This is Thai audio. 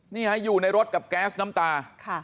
นี่ฮะอยู่ในรถกับแก๊สน้ำตา